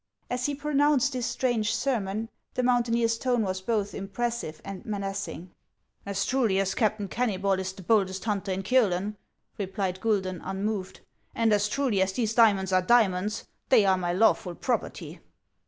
As he pronounced this strange sermon, the mountaineer's tone was both impressive and menacing. " As truly as Captain Keimybol is the boldest hunter in Kiolen," replied Guidon, unmoved, " and as truly as these diamonds are diamonds, they are my lawful property."